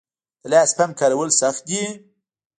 د لاس پمپ کارول سخت دي؟